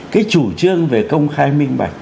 cái chủ trương về công khai minh bạc